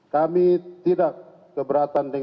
kami tidak keberanian